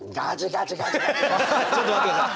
ちょっと待って下さい。